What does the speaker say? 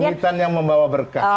kerumitan yang membawa berkat